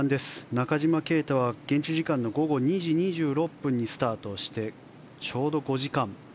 中島啓太は現地時間の午後２時２６分にスタートしてちょうど５時間。